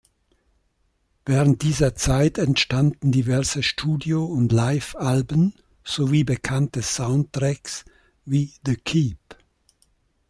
Während dieser Zeit entstanden diverse Studio- und Live-Alben sowie bekannte Soundtracks wie The Keep.